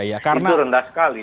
itu rendah sekali